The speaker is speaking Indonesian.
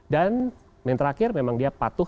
dan yang terakhir memang dia patuh